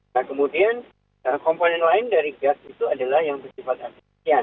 nah kemudian komponen lain dari gas itu adalah yang bersifat antigen